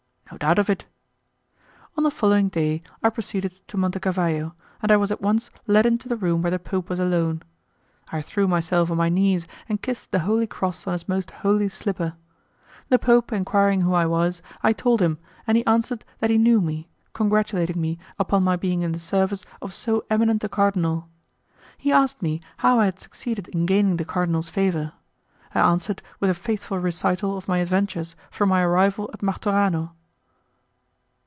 "No doubt of it." On the following day I proceeded to Monte Cavallo, and I was at once led into the room where the Pope was alone. I threw myself on my knees and kissed the holy cross on his most holy slipper. The Pope enquiring who I was, I told him, and he answered that he knew me, congratulating me upon my being in the service of so eminent a cardinal. He asked me how I had succeeded in gaining the cardinal's favour; I answered with a faithful recital of my adventures from my arrival at Martorano.